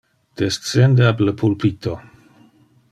Descende ab le pulpito.